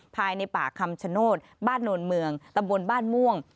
ภายในป่าคำชโนธบ้านโนนเมืองตำบลบ้านม่วง